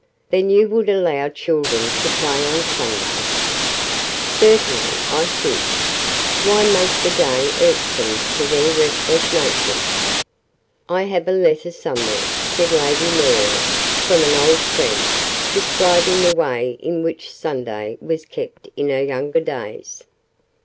"Then you would allow children to play on Sunday?" "Certainly I should. Why make the day irksome to their restless natures?" "I have a letter somewhere," said Lady Muriel, "from an old friend, describing the way in which Sunday was kept in her younger days.